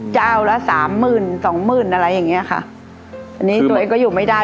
เจ้าละสามหมื่นสองหมื่นอะไรอย่างเงี้ยค่ะอันนี้ตัวเองก็อยู่ไม่ได้